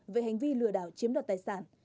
về hành vi lừa đảo chiếm đoạt tài sản